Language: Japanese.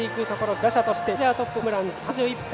打者としてメジャートップホームラン３１本。